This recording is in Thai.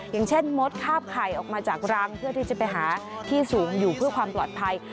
อย่างเช่นมดคาบไข่ออกมาจากรังเพื่อที่จะไปหาที่สูงอยู่เพื่อความปลอดภัย